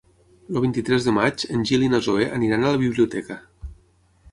El vint-i-tres de maig en Gil i na Zoè aniran a la biblioteca.